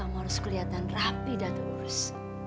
kamu harus kelihatan rapi dan lurus